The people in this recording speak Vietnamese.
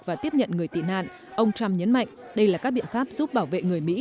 và tiếp nhận người tị nạn ông trump nhấn mạnh đây là các biện pháp giúp bảo vệ người mỹ